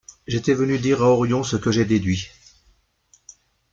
j'étais venu dire à Orion ce que j'ai déduit.